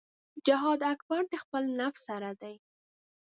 جهاد اکبر د خپل نفس سره دی .